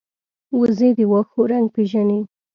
وزې د واښو رنګ پېژني